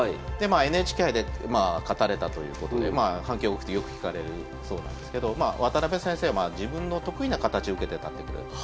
ＮＨＫ杯で勝たれたということで反響大きくてよく聞かれるそうなんですけど渡辺先生はまあ自分の得意な形を受けてたってことで。